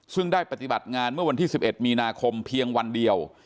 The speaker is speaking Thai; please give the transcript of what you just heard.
ซึ่งได้ปฏิบัติงานเมื่อวันที่๑๑มีนาคมเพียงวันเดียว